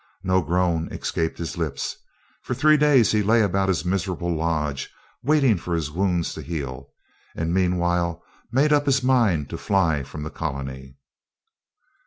No groan escaped his lips. For three days he lay about his miserable lodge waiting for his wounds to heal, and meanwhile made up his mind to fly from the colony.